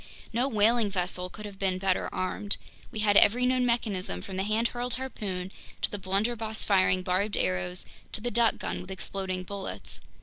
No whaling vessel could have been better armed. We had every known mechanism, from the hand hurled harpoon, to the blunderbuss firing barbed arrows, to the duck gun with exploding bullets.